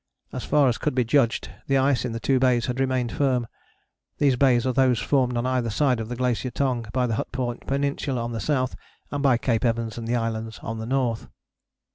As far as could be judged the ice in the two bays had remained firm: these bays are those formed on either side of Glacier Tongue, by the Hut Point Peninsula on the south, and by Cape Evans and the islands on the north.